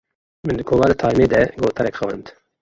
Min di kovara "Time"ê de gotarek xwend.